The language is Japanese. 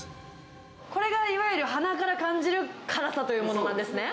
これがいわゆる鼻から感じる辛さというものなんですね。